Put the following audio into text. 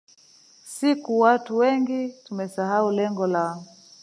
siku watu wengi tumesahau lengo la